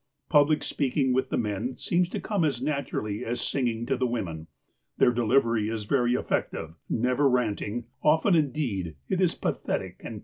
Public speaking with the men seems to come as natural as singing to the women. Their delivery is very effective — never ranting, often, indeed, it is pathetic and pleading.